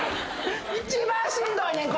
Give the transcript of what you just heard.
一番しんどいねん。